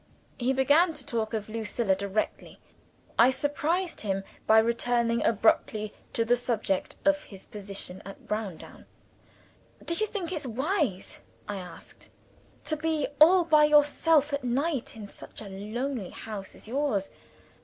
He began to talk of Lucilla directly. I surprised him by returning abruptly to the subject of his position at Browndown. "Do you think it's wise," I asked, "to be all by yourself at night in such a lonely house as yours?